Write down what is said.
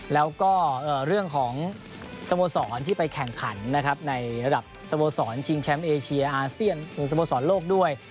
แล้วก็เรื่องของสโมสรที่ไปแข่งขันนะครับในระดับสโมสรชิงแชมป์เอเชียอาเซียนหรือสโมสรโลกด้วย